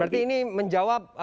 berarti ini menjawab